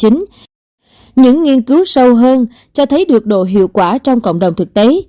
những nghiên cứu sâu hơn cho thấy được độ hiệu quả trong cộng đồng thực tế